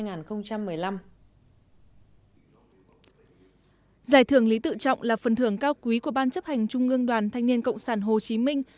giải thưởng lý tự trọng là phần thưởng cao quý của ban chấp hành trung ương đoàn thanh niên cộng sản hồ chí minh